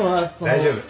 大丈夫。